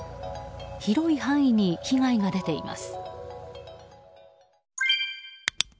広い範囲に被害が出ています。